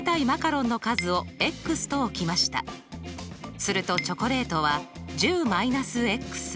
するとチョコレートは１０−。